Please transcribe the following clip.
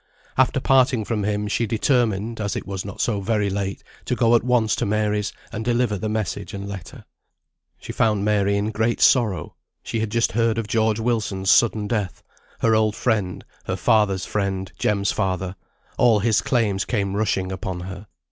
After parting from him she determined, as it was not so very late, to go at once to Mary's, and deliver the message and letter. She found Mary in great sorrow. She had just heard of George Wilson's sudden death: her old friend, her father's friend, Jem's father all his claims came rushing upon her.